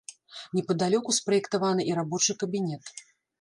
Непадалёку спраектаваны і рабочы кабінет.